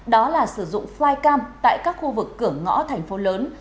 đó là sử dụng flycam tại các khu vực cửa ngõ thành phố lớn